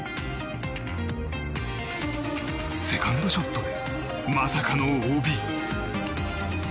セカンドショットでまさかのＯＢ。